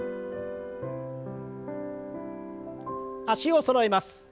脚をそろえます。